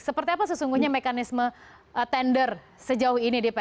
seperti apa sesungguhnya mekanisme tender sejauh ini di pln